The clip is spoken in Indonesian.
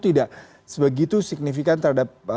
tidak sebegitu signifikan terhadap